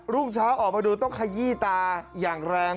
รุ่งเช้าออกมาดูต้องขยี้ตาอย่างแรง